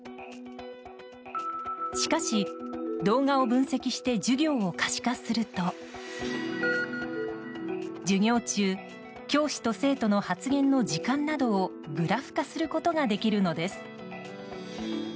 しかし、動画を分析して授業を可視化すると授業中、教師と生徒の発言の時間などをグラフ化することができるのです。